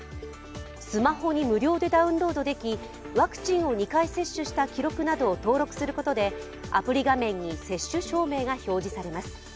スマホに無料でダウンロードでき、ワクチンを２回接種した記録などを登録することでアプリ画面に接種証明が表示されます。